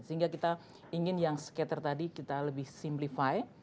sehingga kita ingin yang skater tadi kita lebih simplify